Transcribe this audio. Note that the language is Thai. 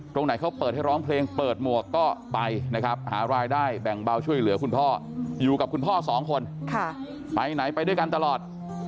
ตรงไหนเขาเปิดให้ร้องเพลงเปิดหมวกก็ไปนะครับหารายได้แบ่งเบาช่วยเหลือคุณพ่ออยู่กับคุณพ่อสองคนไปไหนไปด้วยกันตลอด